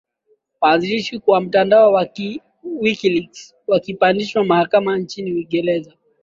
wanzilishi wa mtandao wa wikileaks apandishwa mahakamani nchini uingereza